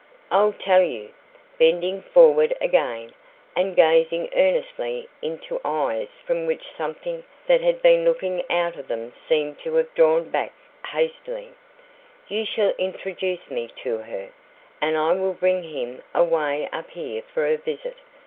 I'll tell you" bending forward again and gazing earnestly into eyes from which something that had been looking out of them seemed to have drawn back hastily "you shall introduce me to her, and I will bring him away up here for a visit.